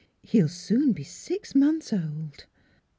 " He'll soon be six months old!"